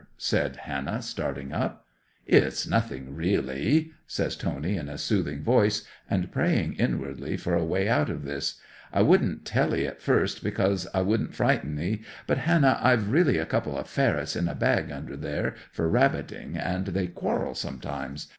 said Hannah, starting up. '"It's nothing, really," says Tony in a soothing voice, and praying inwardly for a way out of this. "I wouldn't tell 'ee at first, because I wouldn't frighten 'ee. But, Hannah, I've really a couple of ferrets in a bag under there, for rabbiting, and they quarrel sometimes.